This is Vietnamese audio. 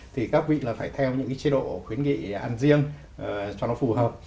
thì các vị là phải theo những cái chế độ khuyến nghị ăn riêng cho nó phù hợp